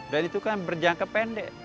dan itu kan berjangka pendek